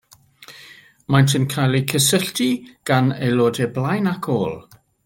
Maent yn cael eu cysylltu gan aelodau blaen ac ôl.